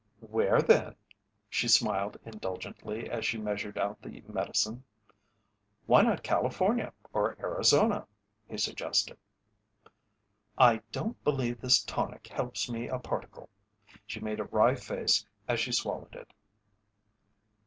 "Where then?" She smiled indulgently as she measured out the medicine. "Why not California or Arizona?" he suggested. "I don't believe this tonic helps me a particle." She made a wry face as she swallowed it.